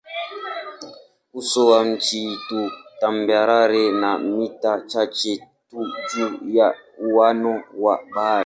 Uso wa nchi ni tambarare na mita chache tu juu ya uwiano wa bahari.